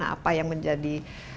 apa yang menjadi